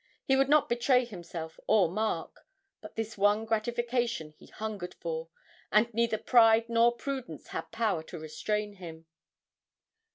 He would not betray himself or Mark, but this one gratification he hungered for, and neither pride nor prudence had power to restrain him.